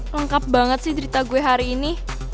lengkap banget sih cerita gue hari ini